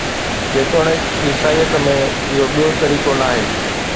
جيتوڻيڪ عيسائيت ۾، اهو ٻيو طريقو ناهي